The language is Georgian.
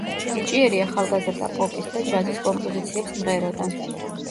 ნიჭიერი ახალგაზრდა პოპის და ჯაზის კომპოზიციებს მღეროდა.